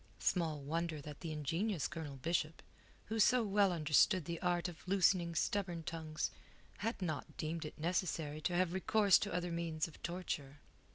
Small wonder that the ingenious Colonel Bishop, who so well understood the art of loosening stubborn tongues, had not deemed it necessary to have recourse to other means of torture.